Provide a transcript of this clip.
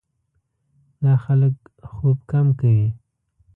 دا خلک خوب کم کوي.